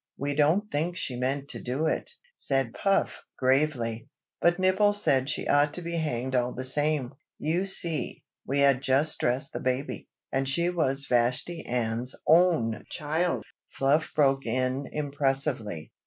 "We don't think she meant to do it," said Puff gravely; "but Nibble said she ought to be hanged all the same. You see, we had just dressed the baby" "and she was Vashti Ann's own child!" Fluff broke in impressively.